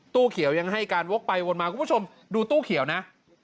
ตู้เขียวยังให้การวกไปวนมาคุณผู้ชมดูตู้เขียวนะ